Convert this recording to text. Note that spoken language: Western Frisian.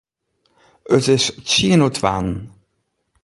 It is tsien oer twaen.